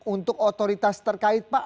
untuk otoritas terkait pak